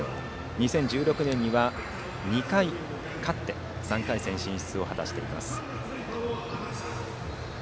２０１６年には、２回勝って３回戦進出を果たしています。